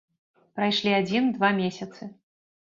Прайшлі адзін, два месяцы.